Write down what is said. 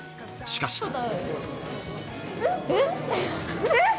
しかし。